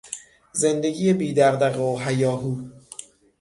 زندگی بی دغدغه و هیاهو